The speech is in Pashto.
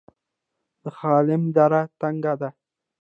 د خلم دره تنګه ده